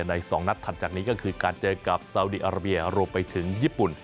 ใน๒นัดถัดจากนี้ก็คือการเจอกับซาวดีอาราเบียรวมไปถึงญี่ปุ่น